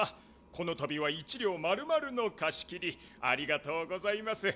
このたびは１両まるまるのかし切りありがとうございます。